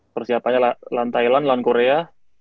persiapannya lawan thailand lawan korea